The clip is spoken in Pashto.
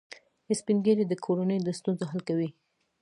سپین ږیری د کورنۍ د ستونزو حل کوي